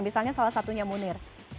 misalnya salah satunya munir